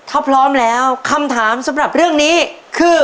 ถ้าพร้อมแล้วคำถามสำหรับเรื่องนี้คือ